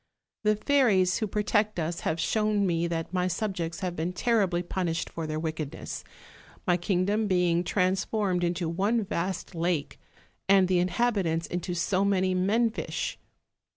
The fairies who protect us have shown me that my subjects have been terribly punished for their wickedness: my kingdom being transformed into one vast lake, and the inhabitants into so many men fish.